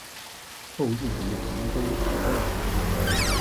后入读杭州之江大学。